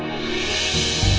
setia pak bos